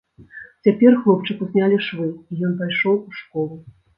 Цяпер хлопчыку знялі швы, і ён пайшоў у школу.